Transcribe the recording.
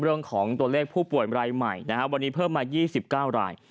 เรื่องของตัวเลขผู้ป่วยรายใหม่นะครับวันนี้เพิ่มมา๒๙ราย